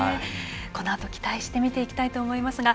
このあと期待して見ていきたいと思います。